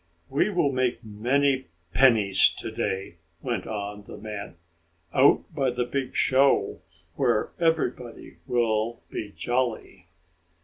"We will make many pennies to day," went on the man. "Out by the big show, where everybody will be jolly."